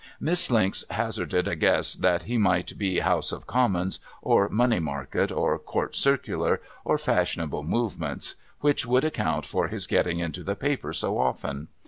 Miss Linx hazarded a guess that he might be House of Commons, or Money Market, or Court Circular, or Fashionable Movements ; which would account for his getting into the paper so often.